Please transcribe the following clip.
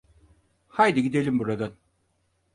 Haydi gidelim buradan.